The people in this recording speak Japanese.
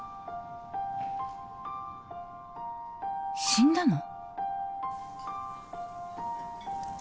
死んだの？